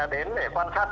đến để quan sát